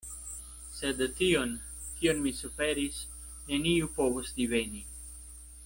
Sed tion, kion mi suferis, neniu povos diveni.